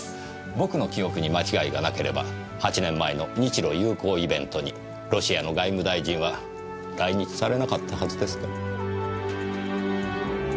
僕の記憶に間違いがなければ８年前の日露友好イベントにロシアの外務大臣は来日されなかったはずですが。